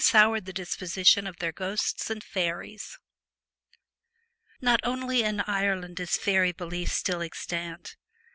SOURED THE DISPOSITION OF THEIR GHOSTS AND FAERIES Not only in Ireland is faery belief still extant.